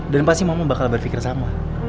dan pasti mama bakal berpikir sama